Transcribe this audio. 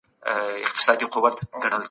شراب پلورل به تر هغې وي چي نړۍ وي.